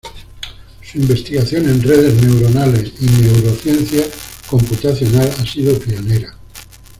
Su investigación en redes neuronales y neurociencia computacional ha sido pionera.